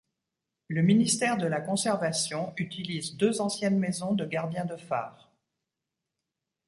Le ministère de la Conservation utilise deux anciennes maisons de gardien de phare.